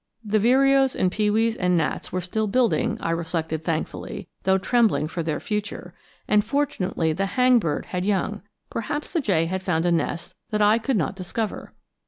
The vireos and pewees and gnats were still building, I reflected thankfully, though trembling for their future; and fortunately the hangbird had young. Perhaps the jay had found a nest that I could not discover.